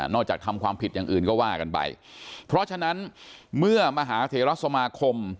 ทำความผิดอย่างอื่นก็ว่ากันไปเพราะฉะนั้นเมื่อมหาเถระสมาคม